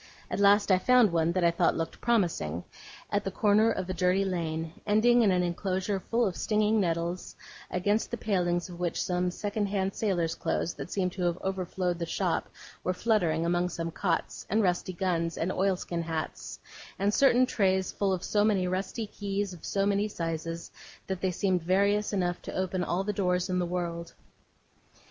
At last I found one that I thought looked promising, at the corner of a dirty lane, ending in an enclosure full of stinging nettles, against the palings of which some second hand sailors' clothes, that seemed to have overflowed the shop, were fluttering among some cots, and rusty guns, and oilskin hats, and certain trays full of so many old rusty keys of so many sizes that they seemed various enough to open all the doors in the world.